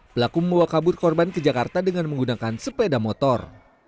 pelaku membawa kabur korban ke jakarta dengan menggunakan sepeda motor